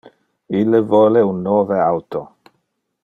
Ille vole un nove auto.